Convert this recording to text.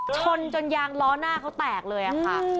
ชนจนยางล้อหน้าเขาแตกเลยค่ะ